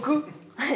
はい。